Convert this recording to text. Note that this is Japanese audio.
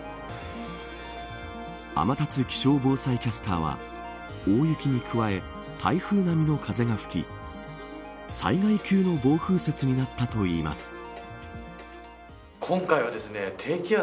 天達気象防災キャスターは大雪に加え台風並みの風が吹き災害級の暴風雪になったといいます。